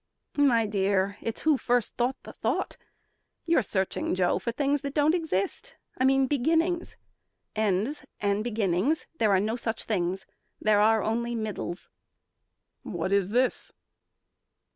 "My dear, It's who first thought the thought. You're searching, Joe, For things that don't exist; I mean beginnings. Ends and beginnings there are no such things. There are only middles." "What is this?"